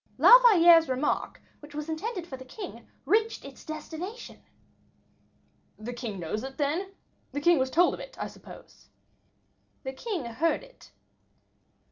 "La Valliere's remark, which was intended for the king, reached its destination." "The king knows it, then? The king was told of it, I suppose?" "The king heard it."